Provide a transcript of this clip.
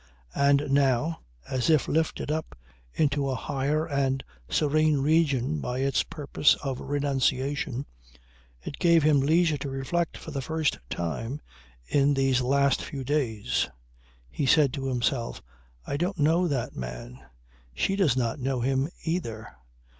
And now, as if lifted up into a higher and serene region by its purpose of renunciation, it gave him leisure to reflect for the first time in these last few days. He said to himself: "I don't know that man. She does not know him either.